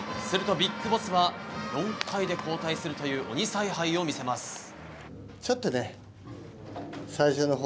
するとビッグボスは４回で交代するという鬼采配を見せます。